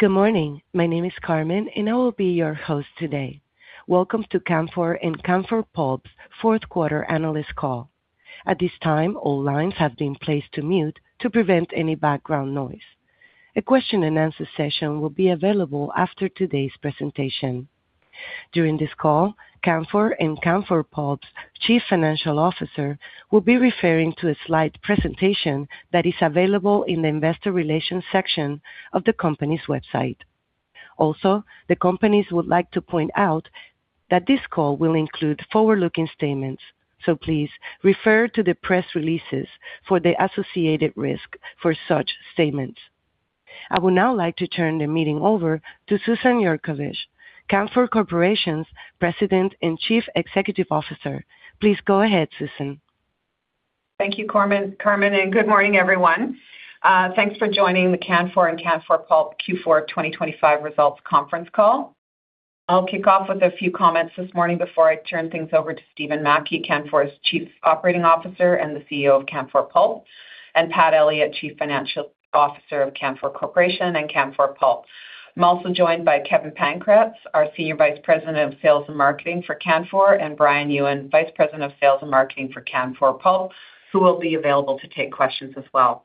Good morning. My name is Carmen, and I will be your host today. Welcome to Canfor and Canfor Pulp's fourth quarter analyst call. At this time, all lines have been placed to mute to prevent any background noise. A question-and-answer session will be available after today's presentation. During this call, Canfor and Canfor Pulp's Chief Financial Officer will be referring to a slide presentation that is available in the investor relations section of the company's website. The companies would like to point out that this call will include forward-looking statements, so please refer to the press releases for the associated risk for such statements. I would now like to turn the meeting over to Susan Yurkovich, Canfor Corporation's President and Chief Executive Officer. Please go ahead, Susan. Thank you Carmen, good morning, everyone. Thanks for joining the Canfor and Canfor Pulp Q4 2025 results conference call. I'll kick off with a few comments this morning before I turn things over to Stephen Mackie, Canfor's Chief Operating Officer and the CEO of Canfor Pulp, and Pat Elliott, Chief Financial Officer of Canfor Corporation and Canfor Pulp. I'm also joined by Kevin Pankratz, our Senior Vice President of Sales and Marketing for Canfor, and Brian Yuen, Vice President of Sales and Marketing for Canfor Pulp, who will be available to take questions as well.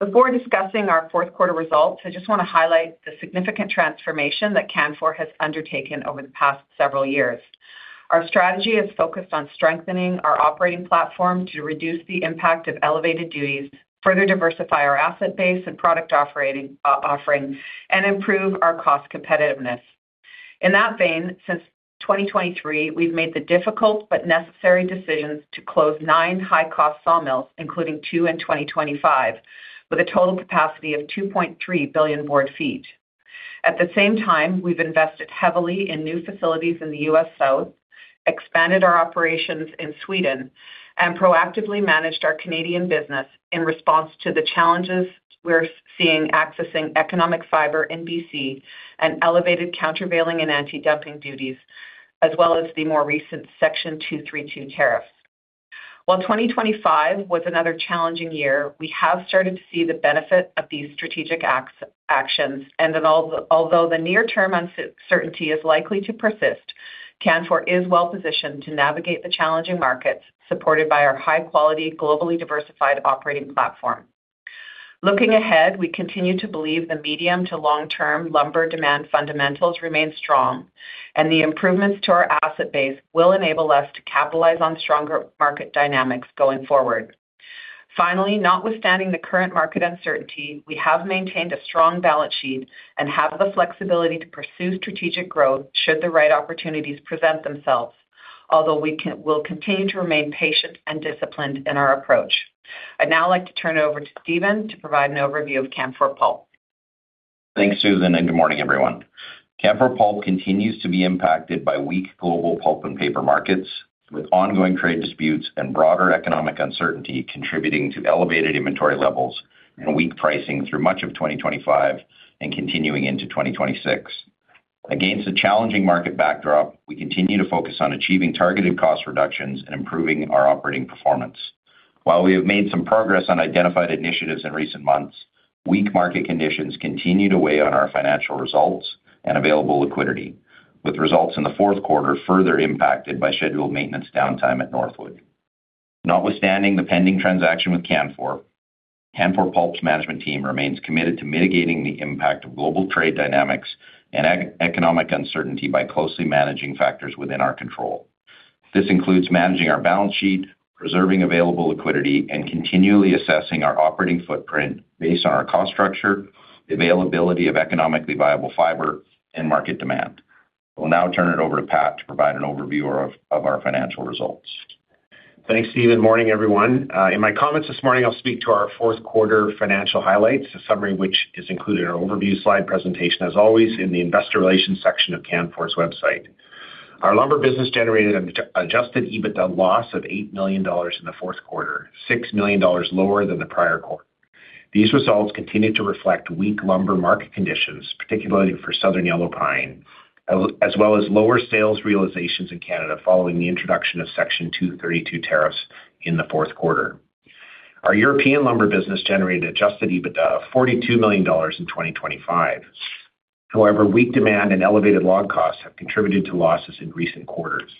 Before discussing our fourth quarter results, I just wanna highlight the significant transformation that Canfor has undertaken over the past several years. Our strategy is focused on strengthening our operating platform to reduce the impact of elevated duties, further diversify our asset base and product operating offering, and improve our cost competitiveness. In that vein, since 2023, we've made the difficult but necessary decisions to close 9 high-cost sawmills, including 2 in 2025, with a total capacity of 2.3 billion board feet. At the same time, we've invested heavily in new facilities in the US South, expanded our operations in Sweden, and proactively managed our Canadian business in response to the challenges we're seeing accessing economic fiber in BC and elevated countervailing and anti-dumping duties, as well as the more recent Section 232 tariffs. While 2025 was another challenging year, we have started to see the benefit of these strategic actions and that although the near-term uncertainty is likely to persist, Canfor is well-positioned to navigate the challenging markets supported by our high-quality, globally diversified operating platform. Looking ahead, we continue to believe the medium to long-term lumber demand fundamentals remain strong, and the improvements to our asset base will enable us to capitalize on stronger market dynamics going forward. Finally, notwithstanding the current market uncertainty, we have maintained a strong balance sheet and have the flexibility to pursue strategic growth should the right opportunities present themselves, although we will continue to remain patient and disciplined in our approach. I'd now like to turn it over to Stephen to provide an overview of Canfor Pulp. Thanks, Susan. Good morning, everyone. Canfor Pulp continues to be impacted by weak global pulp and paper markets, with ongoing trade disputes and broader economic uncertainty contributing to elevated inventory levels and weak pricing through much of 2025 and continuing into 2026. Against a challenging market backdrop, we continue to focus on achieving targeted cost reductions and improving our operating performance. While we have made some progress on identified initiatives in recent months, weak market conditions continue to weigh on our financial results and available liquidity, with results in the fourth quarter further impacted by scheduled maintenance downtime at Northwood. Notwithstanding the pending transaction with Canfor Pulp's management team remains committed to mitigating the impact of global trade dynamics and economic uncertainty by closely managing factors within our control. This includes managing our balance sheet, preserving available liquidity, and continually assessing our operating footprint based on our cost structure, availability of economically viable fiber, and market demand. We'll now turn it over to Pat to provide an overview of our financial results. Thanks, Steve. Morning, everyone. In my comments this morning, I'll speak to our fourth quarter financial highlights, a summary which is included in our overview slide presentation as always in the investor relations section of Canfor's website. Our lumber business generated an Adjusted EBITDA loss of 8 million dollars in the fourth quarter, 6 million dollars lower than the prior quarter. These results continued to reflect weak lumber market conditions, particularly for Southern Yellow Pine, as well as lower sales realizations in Canada following the introduction of Section 232 tariffs in the fourth quarter. Our European lumber business generated Adjusted EBITDA of 42 million dollars in 2025. However, weak demand and elevated log costs have contributed to losses in recent quarters.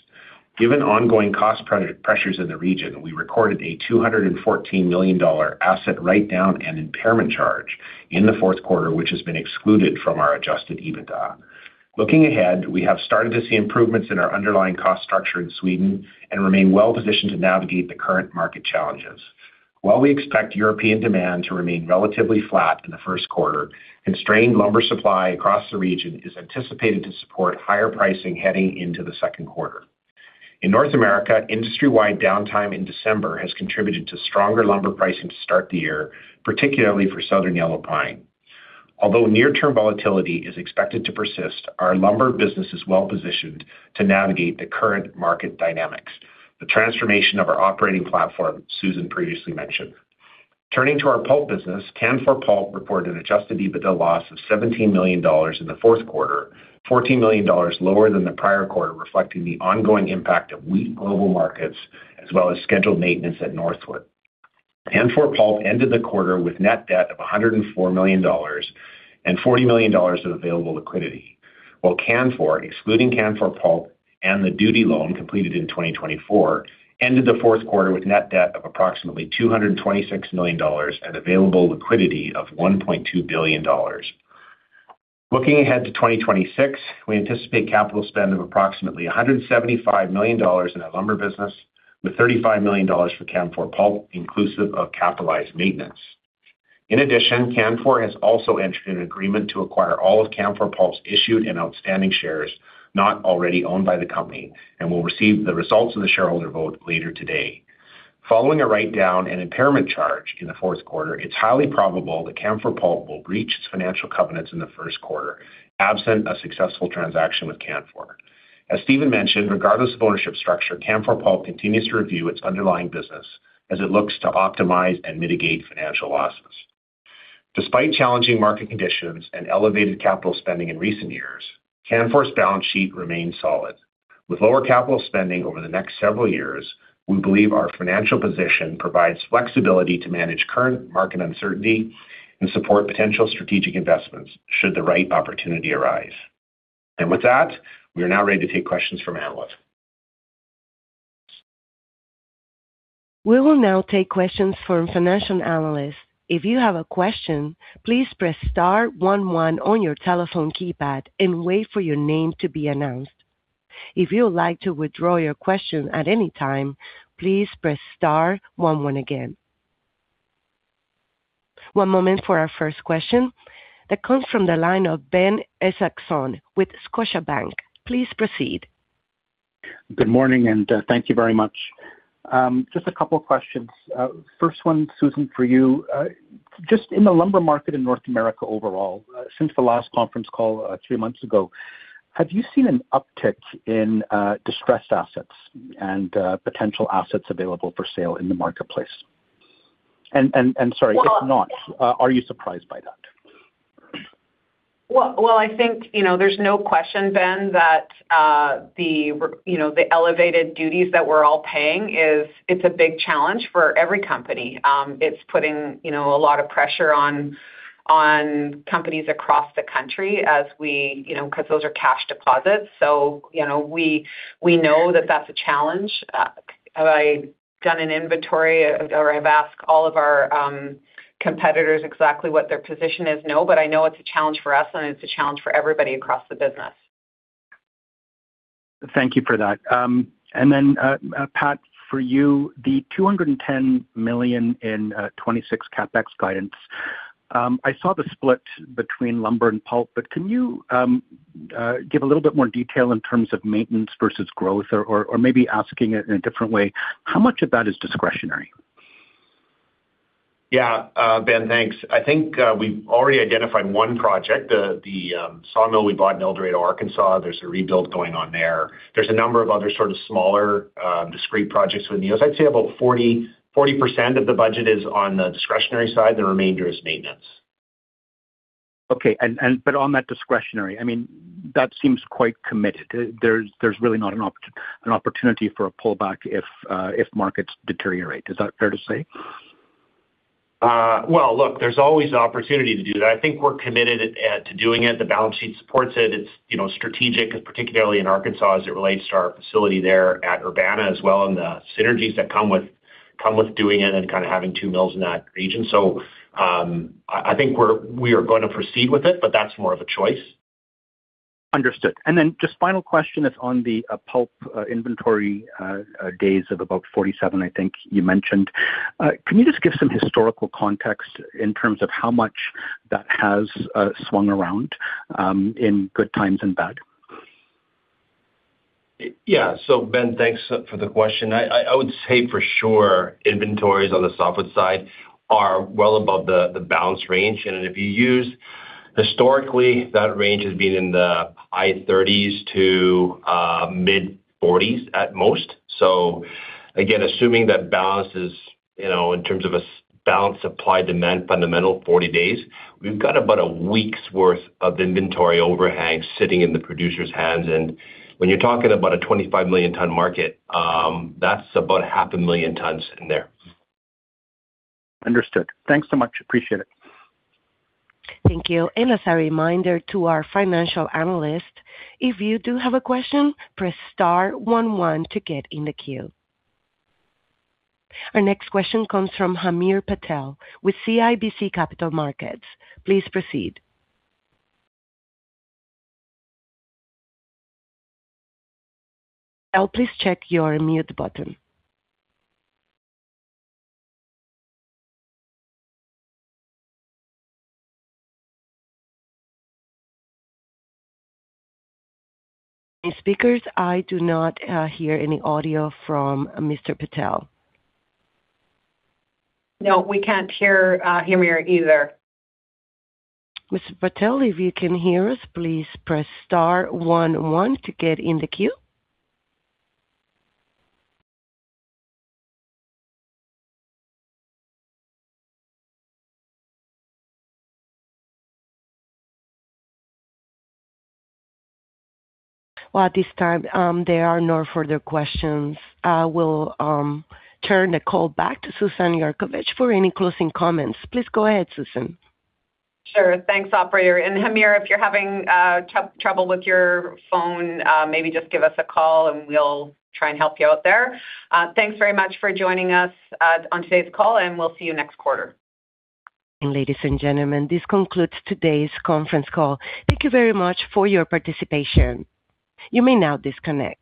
Given ongoing cost pressures in the region, we recorded a $214 million asset write-down and impairment charge in the fourth quarter, which has been excluded from our Adjusted EBITDA. Looking ahead, we have started to see improvements in our underlying cost structure in Sweden and remain well positioned to navigate the current market challenges. While we expect European demand to remain relatively flat in the first quarter, strained lumber supply across the region is anticipated to support higher pricing heading into the second quarter. In North America, industry-wide downtime in December has contributed to stronger lumber pricing to start the year, particularly for Southern Yellow Pine. Although near-term volatility is expected to persist, our lumber business is well-positioned to navigate the current market dynamics, the transformation of our operating platform Susan previously mentioned. Turning to our pulp business, Canfor Pulp reported Adjusted EBITDA loss of 17 million dollars in the fourth quarter, 14 million dollars lower than the prior quarter, reflecting the ongoing impact of weak global markets as well as scheduled maintenance at Northwood. Canfor Pulp ended the quarter with net debt of 104 million dollars and 40 million dollars of available liquidity. While Canfor, excluding Canfor Pulp and the duty loan completed in 2024, ended the fourth quarter with net debt of approximately 226 million dollars and available liquidity of 1.2 billion dollars. Looking ahead to 2026, we anticipate capital spend of approximately 175 million dollars in our lumber business with 35 million dollars for Canfor Pulp, inclusive of capitalized maintenance. In addition, Canfor has also entered an agreement to acquire all of Canfor Pulp's issued and outstanding shares not already owned by the company and will receive the results of the shareholder vote later today. Following a write-down and impairment charge in the fourth quarter, it's highly probable that Canfor Pulp will reach its financial covenants in the first quarter, absent a successful transaction with Canfor. As Stephen mentioned, regardless of ownership structure, Canfor Pulp continues to review its underlying business as it looks to optimize and mitigate financial losses. Despite challenging market conditions and elevated capital spending in recent years, Canfor's balance sheet remains solid. With lower capital spending over the next several years, we believe our financial position provides flexibility to manage current market uncertainty and support potential strategic investments should the right opportunity arise. With that, we are now ready to take questions from analysts. We will now take questions from financial analysts. If you have a question, please press star one one on your telephone keypad and wait for your name to be announced. If you would like to withdraw your question at any time, please press star one one again. One moment for our first question. That comes from the line of Ben Isaacson with Scotiabank. Please proceed. Good morning, thank you very much. Just a couple questions. First one, Susan, for you. Just in the lumber market in North America overall, since the last conference call, three months ago, have you seen an uptick in distressed assets and potential assets available for sale in the marketplace? Well- If not, are you surprised by that? Well, I think, you know, there's no question, Ben, that the elevated duties that we're all paying is it's a big challenge for every company. It's putting, you know, a lot of pressure on companies across the country as we, you know, 'cause those are cash deposits. You know, we know that that's a challenge. Have I done an inventory or I've asked all of our competitors exactly what their position is? No, but I know it's a challenge for us, and it's a challenge for everybody across the business. Thank you for that. Pat, for you, the 210 million in 2026 CapEx guidance, I saw the split between lumber and pulp, but can you give a little bit more detail in terms of maintenance versus growth? Or maybe asking it in a different way, how much of that is discretionary? Yeah. Ben, thanks. I think, we've already identified one project, the sawmill we bought in El Dorado, Arkansas. There's a rebuild going on there. There's a number of other sort of smaller, discrete projects within those. I'd say about 40% of the budget is on the discretionary side. The remainder is maintenance. Okay. But on that discretionary, I mean, that seems quite committed. There's really not an opportunity for a pullback if markets deteriorate. Is that fair to say? Well, look, there's always opportunity to do that. I think we're committed to doing it. The balance sheet supports it. It's, you know, strategic, particularly in Arkansas as it relates to our facility there at Urbana as well and the synergies that come with doing it and kinda having two mills in that region. I think we are gonna proceed with it, but that's more of a choice. Understood. Just final question is on the pulp inventory days of about 47, I think you mentioned. Can you just give some historical context in terms of how much that has swung around in good times and bad? Yeah. Ben, thanks for the question. I would say for sure inventories on the softwood side are well above the balance range. If you use historically, that range has been in the high 30s to mid-40s at most. Again, assuming that balance is, you know, in terms of a balance supply demand fundamental 40 days, we've got about a week's worth of inventory overhang sitting in the producer's hands. When you're talking about a 25 million ton market, that's about half a million tons in there. Understood. Thanks so much. Appreciate it. Thank you. As a reminder to our financial analysts, if you do have a question, press star one one to get in the queue. Our next question comes from Hamir Patel with CIBC Capital Markets. Please proceed. Please check your mute button. Speakers, I do not hear any audio from Mr. Patel. No, we can't hear, Hamir either. Mr. Patel, if you can hear us, please press star 11 to get in the queue. Well, at this time, there are no further questions. I will turn the call back to Susan Yurkovich for any closing comments. Please go ahead, Susan. Sure. Thanks, operator. Hamir, if you're having trouble with your phone, maybe just give us a call, and we'll try and help you out there. Thanks very much for joining us on today's call, and we'll see you next quarter. Ladies and gentlemen, this concludes today's conference call. Thank you very much for your participation. You may now disconnect.